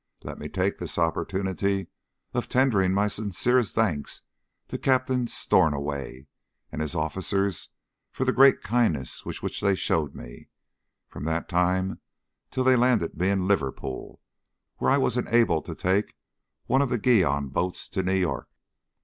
Let me take this opportunity of tendering my sincerest thanks to Captain Stornoway and his officers for the great kindness which they showed me from that time till they landed me in Liverpool, where I was enabled to take one of the Guion boats to New York.